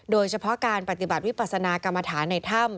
โดยเฉพาะการปฏิบัติวิปัสนากรรมฐานในถ้ำ